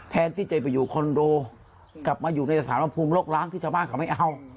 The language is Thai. แทนที่จะไปอยู่คอนโดกลับมาอยู่ในสถานภูมิโรคร้างที่ชาวบ้านเขาไม่เอา